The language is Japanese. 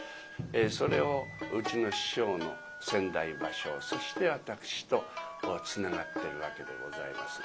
それをうちの師匠の先代馬生そして私とつながってるわけでございます。